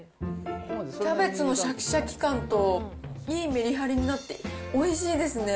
キャベツのしゃきしゃき感と、いいメリハリになって、おいしいですね。